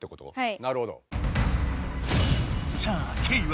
なるほど。